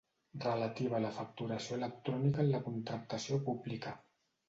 Relativa a la facturació electrònica en la contractació pública.